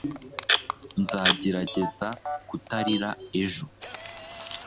nzagerageza kutarira ejo